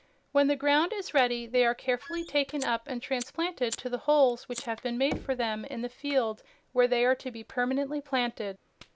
When the ground is ready they are carefully taken up and transplanted to the holes which have been made for them in the field where they are to be permanently planted.